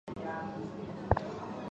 东部大猩猩是白天活动及草食性的。